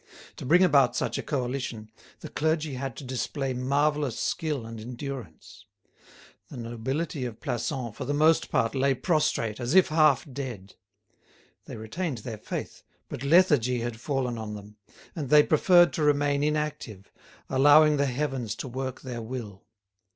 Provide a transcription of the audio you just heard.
To bring about such a coalition, the clergy had to display marvellous skill and endurance. The nobility of Plassans for the most part lay prostrate, as if half dead. They retained their faith, but lethargy had fallen on them, and they preferred to remain inactive, allowing the heavens to work their will.